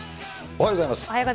おはようございます。